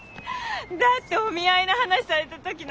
だってお見合いの話された時の顔。